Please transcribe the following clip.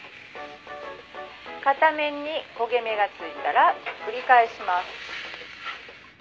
「片面に焦げ目がついたらひっくり返します」